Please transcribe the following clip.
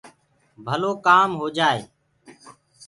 ڀلو ڪآم هوجآئي